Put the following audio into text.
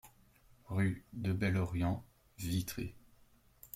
Rue de Bel-Orient, Vitré